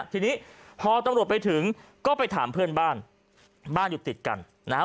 ทีนี้พอตำรวจไปถึงก็ไปถามเพื่อนบ้านบ้านอยู่ติดกันนะฮะ